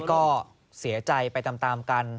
ก็เสียใจไปตามกัน